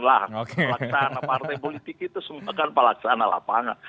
pelaksanaan partai politik itu semuanya kan pelaksanaan lapangan